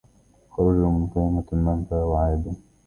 خرجوا من خيمة المنفى, وعادوا